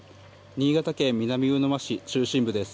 新潟県南魚沼市中心部です。